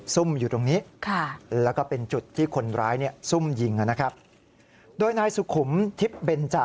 ซุ่มอยู่ตรงนี้แล้วก็เป็นจุดที่คนร้ายเนี่ยซุ่มยิงนะครับโดยนายสุขุมทิพย์เบนจะ